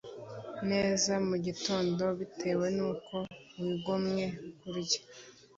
neza mu gitondo bitewe nuko wigomwe kurya